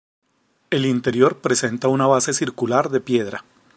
El interior presenta una base circular de piedra.